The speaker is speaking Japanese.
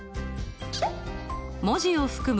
文字を含む